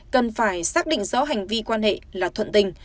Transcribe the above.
cần phải xác định rõ hành vi quan hệ là thuận tình